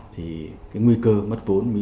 thì cái nguy cơ mất vốn